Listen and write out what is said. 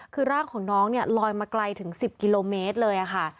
คือร่างของน้องเนี่ยลอยมาไกลถึง๑๐กิโลเมตรเลยค่ะ